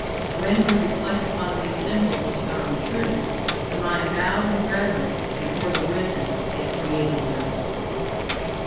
When we reflect upon these symbols of starry truths the mind bows in reverence before the wisdom that created them.